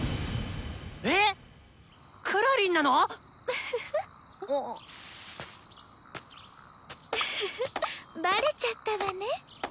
ウフフバレちゃったわね。